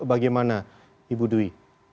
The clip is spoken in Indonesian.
bagaimana ibu dwi